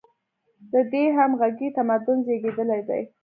له دې همغږۍ تمدن زېږېدلی دی.